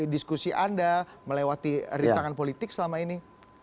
diskusi anda melewati rintangan politik selama ini